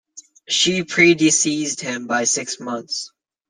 She pre-deceased him by six months.